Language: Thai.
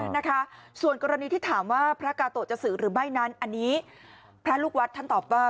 นะคะส่วนกรณีที่ถามว่าพระกาโตะจะสื่อหรือไม่นั้นอันนี้พระลูกวัดท่านตอบว่า